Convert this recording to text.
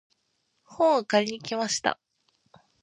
本を借りに行きました。